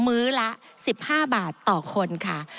มื้อละ๑๕บาทต่อคนค่ะ